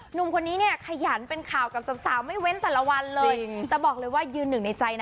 หนุ่มคนนี้เนี่ยขยันเป็นข่าวกับสาวสาวไม่เว้นแต่ละวันเลยแต่บอกเลยว่ายืนหนึ่งในใจนะ